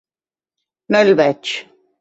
No el veig.